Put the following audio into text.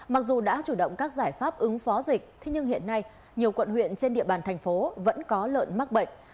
mặc dù đã chủ động các giải pháp ứng phó dịch nhưng hiện nay nhiều quận huyện trên địa bàn thành phố vẫn có lợn mắc bệnh